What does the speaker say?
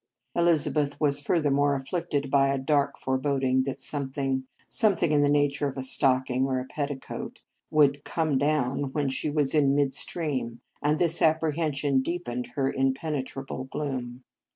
Elizabeth was furthermore afflicted by a dark fore boding that something something in the nature of a stocking or a petti coat would " come down " when she was in mid stream, and this appre hension deepened her impenetrable gloom.